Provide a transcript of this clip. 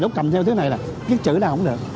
lúc cầm theo thứ này là viết chữ là không được